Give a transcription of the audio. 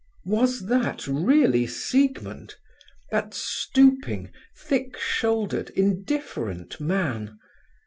Was that really Siegmund, that stooping, thick shouldered, indifferent man?